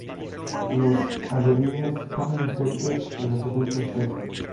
Los alevines comen insectos y los adultos peces.